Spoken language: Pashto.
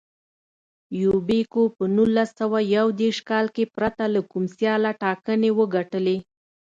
یوبیکو په نولس سوه یو دېرش کال کې پرته له کوم سیاله ټاکنې وګټلې.